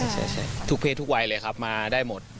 ใช่ทุกเพศทุกวัยเลยครับมาได้หมด